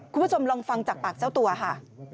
คุณผู้ชมลองฟังจากปากเจ้าตัวค่ะ